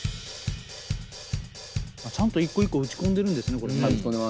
ちゃんと一個一個打ち込んでるんですねこれね。